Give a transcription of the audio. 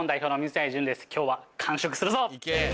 今日は完食するぞ！